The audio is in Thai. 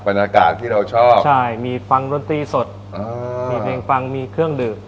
อากาศที่เราชอบใช่มีฟังดนตรีสดมีเพลงฟังมีเครื่องดื่ม